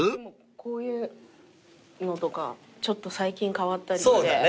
こういうのとかちょっと最近変わったりして。